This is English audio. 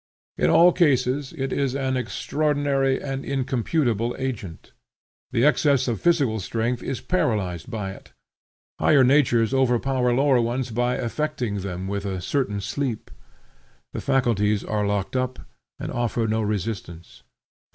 In all cases it is an extraordinary and incomputable agent. The excess of physical strength is paralyzed by it. Higher natures overpower lower ones by affecting them with a certain sleep. The faculties are locked up, and offer no resistance.